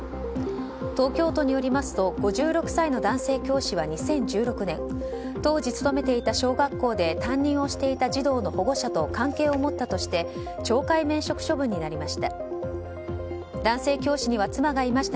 東京都によりますと５６歳の男性教師は２０１６年当時勤めていた小学校で担任をしていた児童の保護者と関係を持ったとして懲戒免職処分になりました。